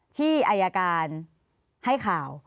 ที่อายการให้ข่าว